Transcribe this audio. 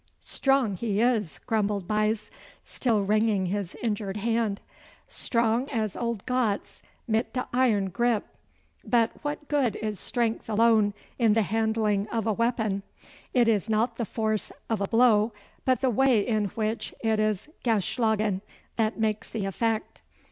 'Strong he is,' grumbled Buyse, still wringing his injured hand, 'strong as old Gotz mit de iron grip. But what good is strength alone in the handling of a weapon? It is not the force of a blow, but the way in which it is geschlagen, that makes the effect.